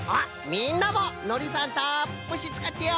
みんなものりさんたっぷしつかってよ！